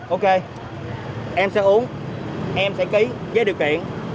ok em sẽ uống em sẽ ký với điều kiện